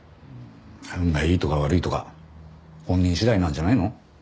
運がいいとか悪いとか本人次第なんじゃないの？